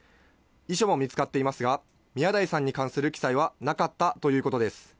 遺書も見つかっていますが、宮台さんに関する記載はなかったということです。